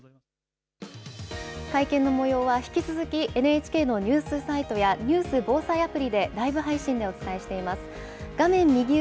会見の模様は引き続きＮＨＫのニュースサイトやニュース防災アプリで、ライブ配信でお伝えしています。